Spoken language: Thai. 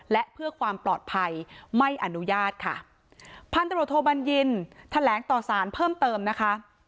และเพื่อความปลอดภัยไม่อนุญาตค่ะพันตรวจโทบัญญินแถลงต่อสารเพิ่มเติมนะคะ